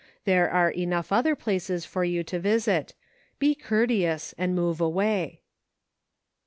There are enough other places for you to visit ; be courteous, and move away.